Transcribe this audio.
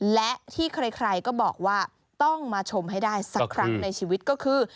และที่ใครก็บอกว่าต้องมาชมให้ได้สักครั้งในชีวิตก็คือ